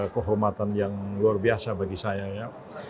kehormatan yang luar biasa bagi saya ya